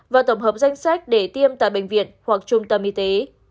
và tổng hợp danh sách để tiêm tại bệnh viện hoặc trung tâm y tế